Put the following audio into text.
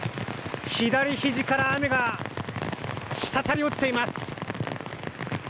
左ひじから雨がしたたり落ちています。